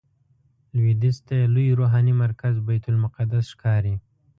لویدیځ ته یې لوی روحاني مرکز بیت المقدس ښکاري.